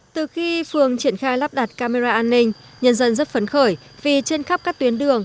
từ khi phường triển khai lắp đặt camera an ninh nhân dân rất phấn khởi vì trên khắp các tuyến đường